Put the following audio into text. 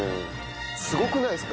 すごくないですか？